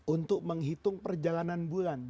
untuk menghitung perjalanan bulan